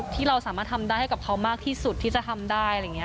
ที่เราสามารถทำได้ให้กับเขามากที่สุดที่จะทำได้